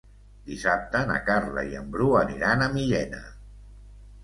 Dissabte na Carla i en Bru aniran a Millena.